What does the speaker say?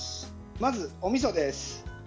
まず、おみそです。